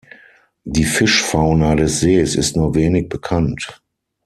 Die Fischfauna des Sees ist nur wenig bekannt.